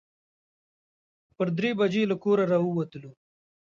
پر درې بجې له کوره راووتلو.